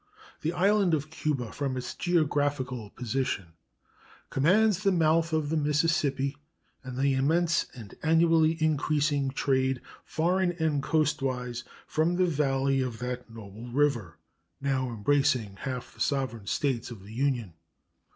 The island of Cuba, from its geographical position, commands the mouth of the Mississippi and the immense and annually increasing trade, foreign and coastwise, from the valley of that noble river, now embracing half the sovereign States of the Union.